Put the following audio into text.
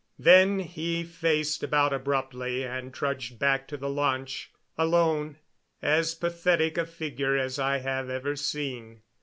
Then he faced about abruptly and trudged back to the launch alone, as pathetic a figure as I have ever seen.